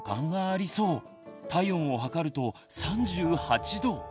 体温を測ると３８度！